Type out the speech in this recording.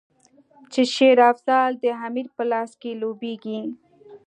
چې شېر افضل د امیر په لاس کې لوبیږي.